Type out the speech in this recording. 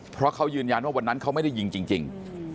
เพราะเขายืนยันว่าวันนั้นเขาไม่ได้ยิงจริง